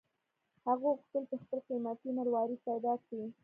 هغه غوښتل چې خپل قیمتي مروارید پیدا کړي.